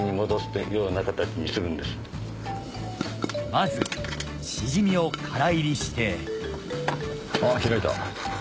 まずシジミをからいりして開いた。